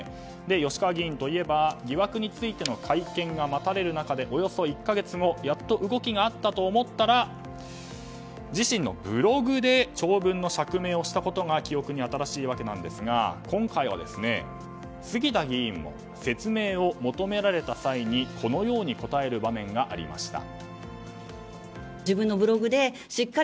吉川議員といえば疑惑についての会見が待たれる中でおよそ１か月後やっと動きがあったと思ったら自身のブログで長文の釈明をしたことが記憶に新しいわけですが今回は杉田議員も説明を求められた際にこのように答える場面がありました。